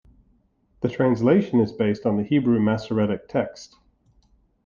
The translation is based on the Hebrew Masoretic text.